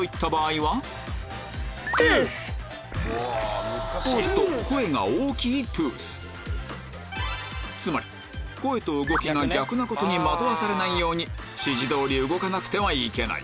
掛け声は３パターン逆につまり声と動きが逆なことに惑わされないように指示通り動かなくてはいけない